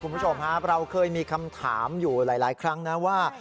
คุณผู้ชมครับเราเคยมีคำถามอยู่หลายครั้งนะว่า